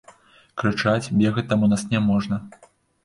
Крычаць, бегаць там у нас няможна.